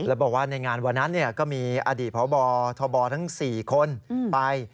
แล้วบอกว่าในงานวันนั้นก็มีอดีตพบทบทั้ง๔คนไป